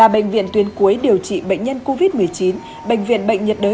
ba sẽ sớm về ba hứa